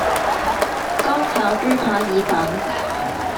乾炒豬扒意粉